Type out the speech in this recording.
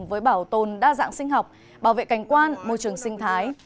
với bảo tồn đa dạng sinh học bảo vệ cảnh quan môi trường sinh thái